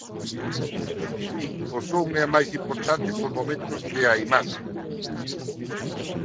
Si, o son é máis importante por momentos que a imaxe.